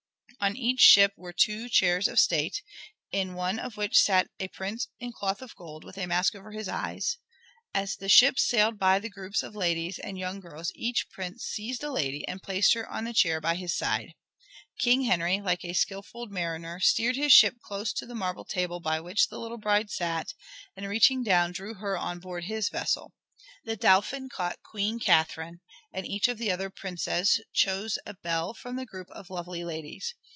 On each ship were two chairs of state, in one of which sat a prince in cloth of gold, with a mask over his eyes. As the ships sailed by the groups of ladies and young girls each prince seized a lady and placed her on the chair by his side. King Henry, like a skilful mariner, steered his ship close to the marble table by which the little bride sat, and reaching down drew her on board his vessel. The Dauphin caught Queen Catherine, and each of the other princes chose a belle from the group of lovely ladies.